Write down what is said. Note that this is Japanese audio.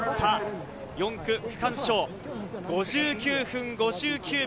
４区区間賞、５９分５９秒。